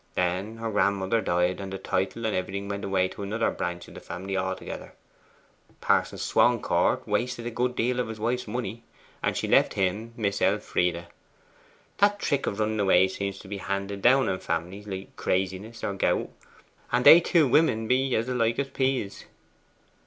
Then her grandmother died, and the title and everything went away to another branch of the family altogether. Parson Swancourt wasted a good deal of his wife's money, and she left him Miss Elfride. That trick of running away seems to be handed down in families, like craziness or gout. And they two women be alike as peas.